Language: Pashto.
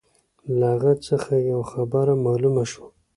له هغه څخه یوه خبره معلومه شوه.